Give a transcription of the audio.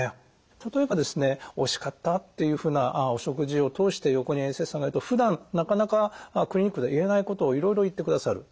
例えばですねおいしかったっていうふうなお食事を通して横に衛生士さんがいるとふだんなかなかクリニックで言えないことをいろいろ言ってくださる。